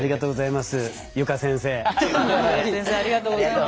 いやあ先生ありがとうございます。